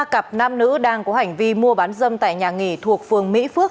ba cặp nam nữ đang có hành vi mua bán dâm tại nhà nghỉ thuộc phường mỹ phước